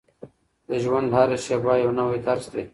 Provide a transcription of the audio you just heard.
د ژوند هره شېبه یو نوی درس دی.